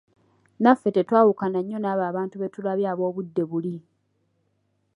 Naffe tetwawukana nnyo n‘abo abantu be tulabye ab‘obudde buli.